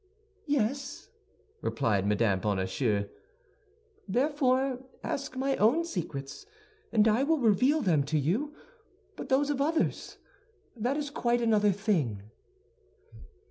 "Yes," replied Mme. Bonacieux; "therefore, ask my own secrets, and I will reveal them to you; but those of others—that is quite another thing."